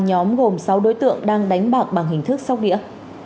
nhóm gồm sáu đối tượng đang đánh bạc bằng hình thức sóc đĩa